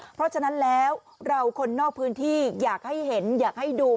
เพราะฉะนั้นแล้วเราคนนอกพื้นที่อยากให้เห็นอยากให้ดู